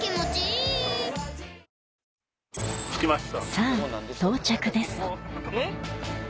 さぁ到着です